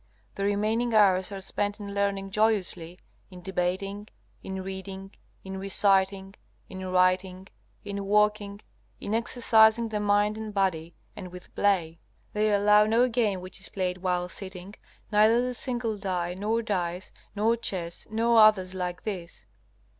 The remaining hours are spent in learning joyously, in debating, in reading, in reciting, in writing, in walking, in exercising the mind and body, and with play. They allow no game which is played while sitting, neither the single die nor dice, nor chess, nor others like these.